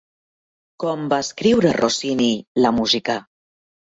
Com va escriure Rossini la música?